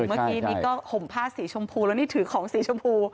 เมื่อกี้นี้ก็ห่มผ้าสีชมพูแล้วนี่ถือของสีชมพู